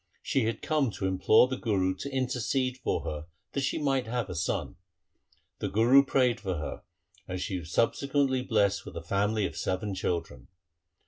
She had come to implore the Guru to intercede for her that she might have a son. The Guru prayed for her and she was sub sequently blessed with a family of seven children.